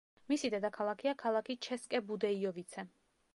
მისი დედაქალაქია ქალაქი ჩესკე-ბუდეიოვიცე.